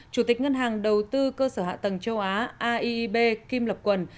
chủ tịch ngân hàng đầu tư cơ sở hạ tầng châu á aieb kim lập quẩn